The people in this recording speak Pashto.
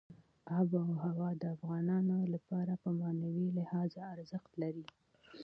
آب وهوا د افغانانو لپاره په معنوي لحاظ ارزښت لري.